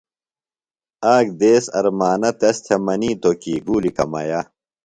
آک دیس ارمانہ تس تھےۡ منِیتوۡ کی گُولیۡ کمیہ۔